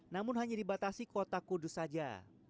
namun hanya dibatasi kota kudus saja